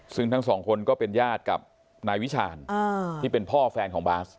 ซึ่งทั้งสองคนก็เป็นญาติกับนายวิชาญที่เป็นพ่อแฟนของบาส